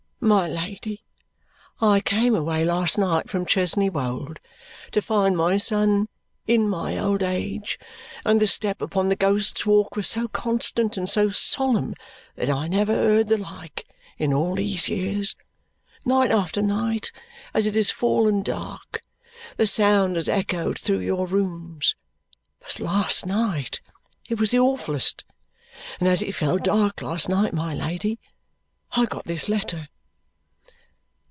"My Lady, I came away last night from Chesney Wold to find my son in my old age, and the step upon the Ghost's Walk was so constant and so solemn that I never heard the like in all these years. Night after night, as it has fallen dark, the sound has echoed through your rooms, but last night it was awfullest. And as it fell dark last night, my Lady, I got this letter."